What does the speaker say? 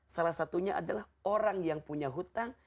salah satunya adalah orang yang punya hutang